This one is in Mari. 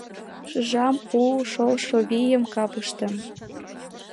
Шижам у, шолшо вийым капыштем.